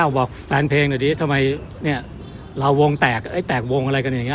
ก้าวบอกแฟนเพลงเดี๋ยวดีทำไมเราวงแตกแตกวงอะไรกันอย่างนี้